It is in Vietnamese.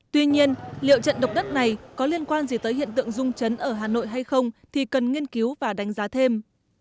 tuy nhiên liệu trận động đất này có liên quan gì tới hiện tượng rung chấn ở hà nội hay không thì cần nghiên cứu và đánh giá thêm